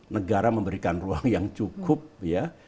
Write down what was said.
negara memberikan ruang yang cukup ya